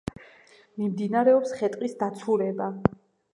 მიმდინარეობს ხე-ტყის დაცურება.